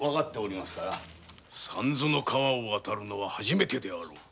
三途の川を渡るのは初めてであろう。